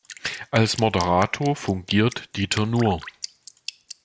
Als Moderator fungiert Dieter Nuhr.